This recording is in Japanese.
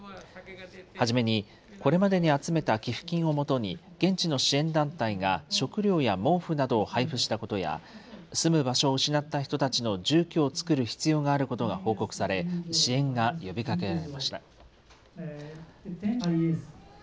初めに、これまでに集めた寄付金を元に、現地の支援団体が食料や毛布などを配布したことや、住む場所を失った人たちの住居を作る必要があることが報告され、支援が呼びかけられました。